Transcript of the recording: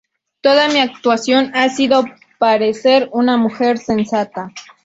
Toda mi actuación ha sido parecer una mujer sensata.